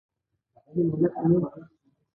علامه حبیبي د علمي مقالو لیکنه هم کړې ده.